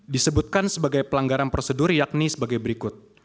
disebutkan sebagai pelanggaran prosedur yakni sebagai berikut